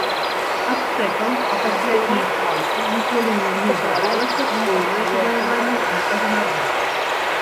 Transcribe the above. Ацтэкам, а пасля і іспанцам, ніколі не ўдавалася поўнае заваяванне гэтага народа.